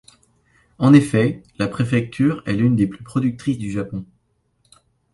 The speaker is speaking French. En effet, la préfecture est l'une des plus productrice du Japon.